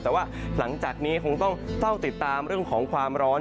แต่ว่าหลังจากนี้คงต้องเฝ้าติดตามเรื่องของความร้อน